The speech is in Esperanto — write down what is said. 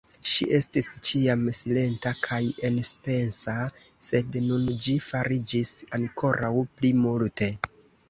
Ŝi estis ĉiam silenta kaj enpensa, sed nun ĝi fariĝis ankoraŭ pli multe.